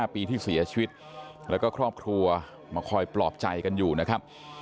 ๕ปีที่เสียชีวิตแล้วก็ครอบครัวมาคอยปลอบใจกันอยู่นะครับ